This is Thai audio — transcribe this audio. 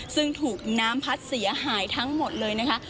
ซึ่งถูกน้ำพัดเสียหายทั้งหมดเลยนะคะ